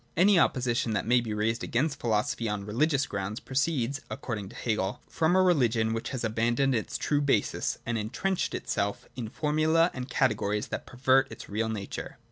Any oppo sition that may be raised against philosophy on religious grounds proceeds, according to Hegel, from a religion which has abandoned its true basis and entrenched itself in formulae and categories that pervert its real nature.